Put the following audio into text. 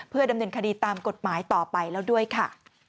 ดำเนินคดีตามกฎหมายต่อไปแล้วด้วยค่ะ